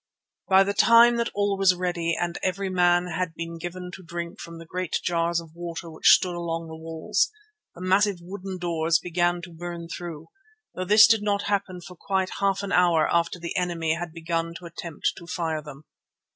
By the time that all was ready and every man had been given to drink from the great jars of water which stood along the walls, the massive wooden doors began to burn through, though this did not happen for quite half an hour after the enemy had begun to attempt to fire them.